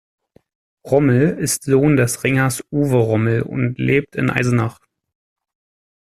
Rommel ist Sohn des Ringers Uwe Rommel und lebt in Eisenach.